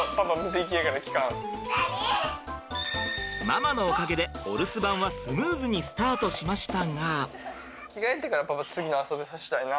ママのおかげでお留守番はスムーズにスタートしましたが。